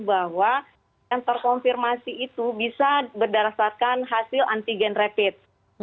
bahwa sensor konfirmasi itu bisa berdasarkan hasil antigen rapid